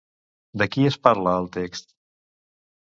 De qui es parla al text?